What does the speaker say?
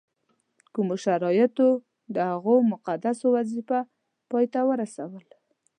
کومو شرایطو د هغوی مقدسه وظیفه پای ته ورسول.